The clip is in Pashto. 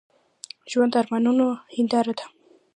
ژوند د ارمانونو هديره ده.